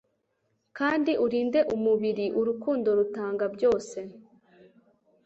kandi urinde umubiri. urukundo rutanga byose